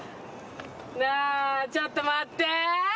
なあちょっと待って。